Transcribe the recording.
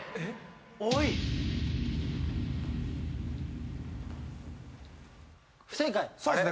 ・おい不正解そうっすね